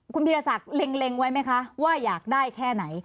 คุณพีรศักดิ์เล็งไว้ไหมคะว่าอยากได้แค่ไหน